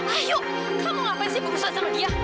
ayo kamu ngapain sih berusaha sama dia